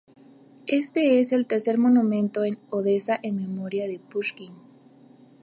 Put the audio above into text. Este es el tercer monumento en Odesa en memoria de Pushkin.